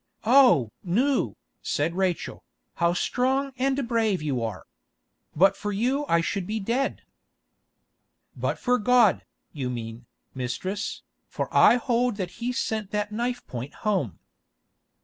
"Oh! Nou," said Rachel, "how strong and brave you are! But for you I should be dead." "But for God, you mean, mistress, for I hold that He sent that knife point home."